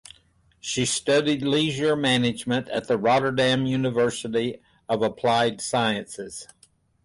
She studied leisure management at the Rotterdam University of Applied Sciences.